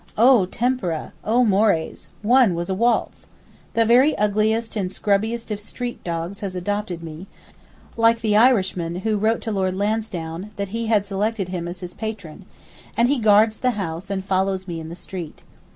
O tempera! O mores! one was a waltz. The very ugliest and scrubbiest of street dogs has adopted me—like the Irishman who wrote to Lord Lansdowne that he had selected him as his patron—and he guards the house and follows me in the street.